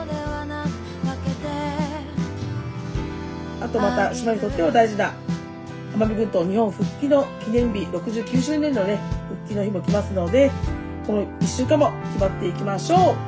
あとまた島にとっては大事な奄美群島日本復帰の記念日６９周年のね復帰の日も来ますのでこの１週間も気張っていきましょう。